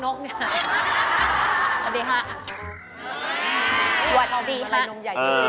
น้องใหญ่ดีดีดีสำหรับอะไร